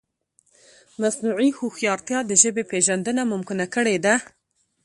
مصنوعي هوښیارتیا د ژبې پېژندنه ممکنه کړې ده.